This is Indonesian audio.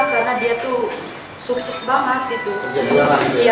karena dia tuh sukses banget gitu